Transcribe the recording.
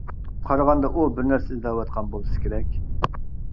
قارىغاندا ئۇ بىر نەرسە ئىزدەۋاتقان بولسا كېرەك.